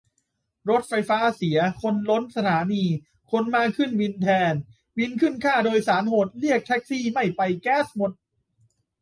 รถไฟฟ้าเสีย คนล้นสถานี คนมาขึ้นวินแทน วินขึ้นค่าโดยสารโหด เรียกแท็กซี่ไม่ไปแก๊สหมด